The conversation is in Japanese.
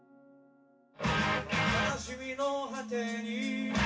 「悲しみの果てに」